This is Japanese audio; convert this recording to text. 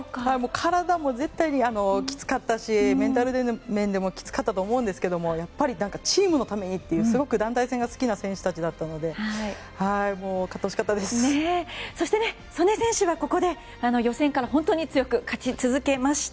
体も絶対にきつかったし、メンタル面でもきつかったと思うんですがやっぱりチームのためにというすごく団体戦が好きな選手たちだったのでそして、素根選手はここで予選から本当に強く勝ち続けました。